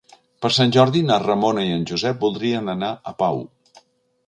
Per Sant Jordi na Ramona i en Josep voldrien anar a Pau.